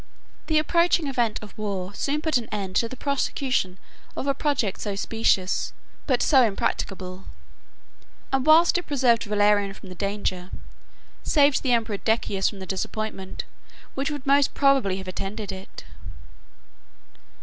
42 The approaching event of war soon put an end to the prosecution of a project so specious, but so impracticable; and whilst it preserved Valerian from the danger, saved the emperor Decius from the disappointment, which would most probably have attended it.